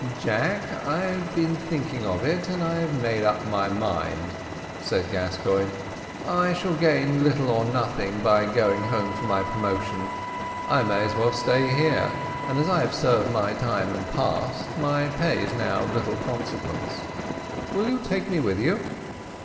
"Jack, I've been thinking of it, and I've made up my mind," said Gascoigne. "I shall gain little or nothing by going home for my promotion: I may as well stay here, and as I have served my time and passed, my pay is now of little consequence. Will you take me with you?"